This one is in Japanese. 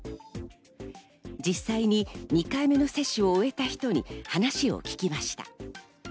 実際に２回目の接種を終えた人に話を聞きました。